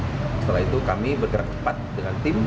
setelah itu kami bergerak cepat dengan tim